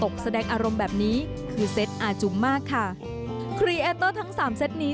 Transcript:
ครีเอเตอร์ทั้ง๓เซตนี้